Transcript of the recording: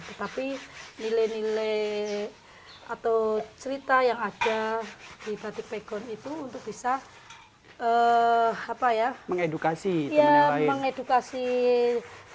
tetapi nilai nilai atau cerita yang ada di batik pegon itu untuk bisa mengedukasi